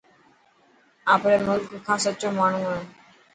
آپري ملڪ کان سچو ماڻهو هي.